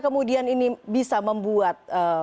kemudian ini bisa membuat